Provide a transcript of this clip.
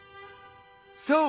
そう！